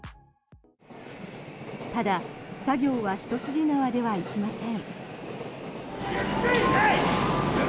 ただ、作業は一筋縄ではいきません。